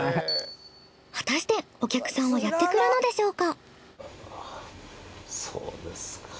果たしてお客さんはやってくるのでしょうか。